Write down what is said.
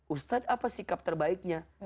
ustad apa sikap terbaiknya